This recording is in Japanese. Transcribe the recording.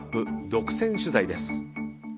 独占取材です。